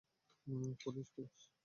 Police, police.